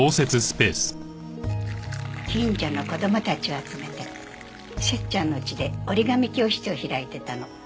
近所の子供たちを集めてセッちゃんの家で折り紙教室を開いてたの。